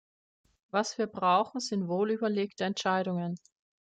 Was wir brauchen, sind wohlüberlegte Entscheidungen.